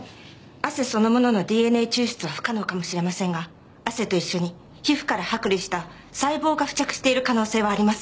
汗そのもののＤＮＡ抽出は不可能かもしれませんが汗と一緒に皮膚から剥離した細胞が付着している可能性はあります。